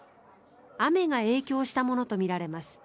雨が影響したものとみられます。